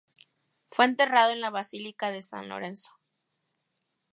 Fue enterrado en la Basílica de San Lorenzo.